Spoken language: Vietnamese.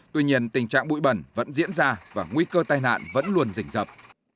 tuy nhiên tình trạng bụi bẩn vẫn diễn ra và nguy cơ tai nạn vẫn luôn dình dập